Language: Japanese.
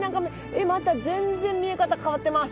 えっまた全然見え方変わってます！